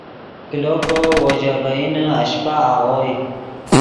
کلو کو وو ژے ڤئینے اشپہ آغوئے